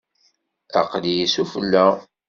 Aql-iyi sufella.